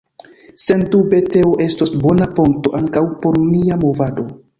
Sendube, teo estos bona ponto ankaŭ por nia Movado.